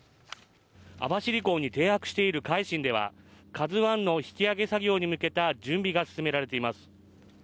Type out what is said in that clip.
網走港に停泊している「海進」では「ＫＡＺＵⅠ」の引き上げ作業に向けての準備が進んでいます。